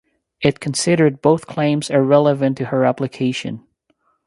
It considered both claims irrelevant to her application.